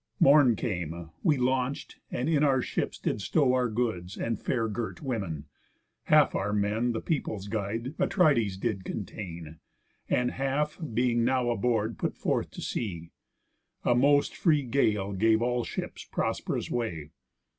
Morn came, we launch'd, and in our ships did stow Our goods, and fair girt women. Half our men The people's guide, Atrides, did contain, And half, being now aboard, put forth to sea. A most free gale gave all ships prosp'rous way.